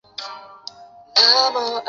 同年升任兵部尚书。